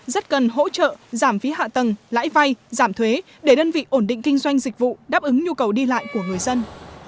rất cần hỗ trợ giảm phí hạ tầng lãi vay giảm thuế để đơn vị ổn định kinh doanh dịch vụ đáp ứng nhu cầu đi lại của người dân